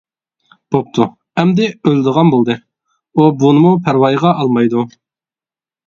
بوپتۇ، ئەمدى ئۆلىدىغان بولدى، ئۇ بۇنىمۇ پەرۋايىغا ئالمايدۇ.